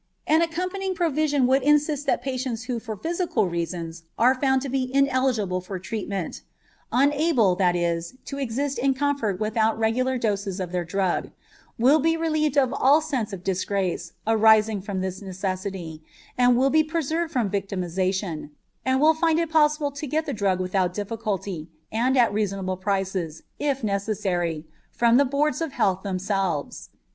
An accompanying provision would insist that patients who for physical reasons are found to be ineligible for treatment unable, that is, to exist in comfort without regular doses of their drug will be relieved of all sense of disgrace arising from this necessity, and will be preserved from victimization, and will find it possible to get the drug without difficulty and at reasonable prices, if necessary, from the boards of health themselves.